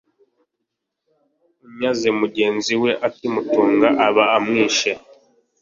Unyaze mugenzi we ikimutunga, aba amwishe,